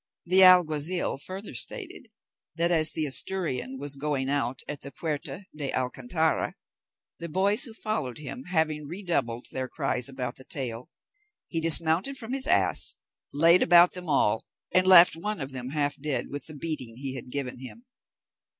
The alguazil further stated that as the Asturian was going out at the Puerta de Alcantara, the boys who followed him having redoubled their cries about the tail, he dismounted from his ass, laid about them all, and left one of them half dead with the beating he had given him.